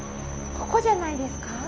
ここじゃないですか？